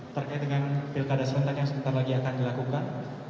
terkait dengan pilkada serentak yang sebentar lagi akan dilakukan